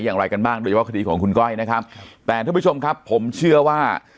อย่างไรกันบ้างโดยเฉพาะคดีของคุณก้อยนะครับแต่ท่านผู้ชมครับผมเชื่อว่า